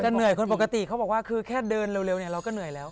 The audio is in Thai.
เหนื่อยคนปกติเขาบอกว่าคือแค่เดินเร็วเนี่ยเราก็เหนื่อยแล้ว